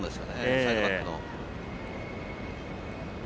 サイドバックの。